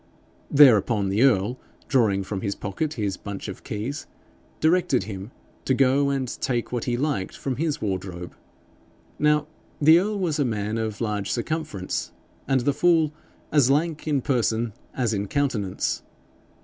Thereupon the earl, drawing from his pocket his bunch of keys, directed him to go and take what he liked from his wardrobe. Now the earl was a man of large circumference, and the fool as lank in person as in countenance.